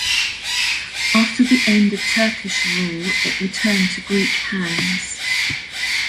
After the end of Turkish rule it returned to Greek hands.